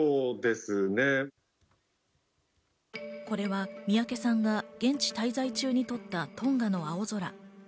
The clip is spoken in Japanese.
これは三宅さんが現地滞在中に撮ったトンガの青空。